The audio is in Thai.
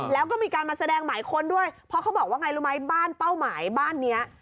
แล้วก็มีการมาแสดงหมายคนด้วยเพราะเขาบอกว่าบ้านเป้าหมาย